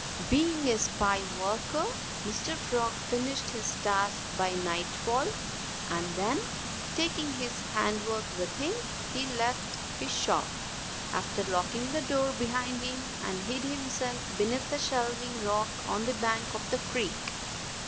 Being a spry worker, Mr. Frog finished his task by nightfall. And then, taking his handiwork with him, he left his shop after locking the door behind him and hid himself beneath a shelving rock on the bank of the creek.